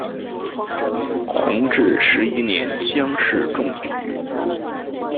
弘治十一年乡试中举。